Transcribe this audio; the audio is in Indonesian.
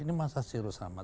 ini masa ciru sama